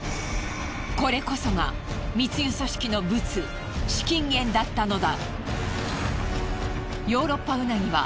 これこそが密輸組織のブツ資金源だったのだ。